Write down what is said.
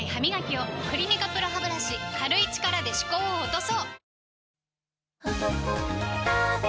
「クリニカＰＲＯハブラシ」軽い力で歯垢を落とそう！